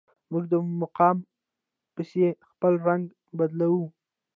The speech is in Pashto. موږ د مقام پسې خپل رنګ بدلوو.